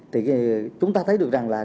thì chúng ta thấy được rằng là